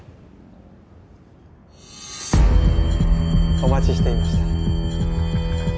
お待ちしていました。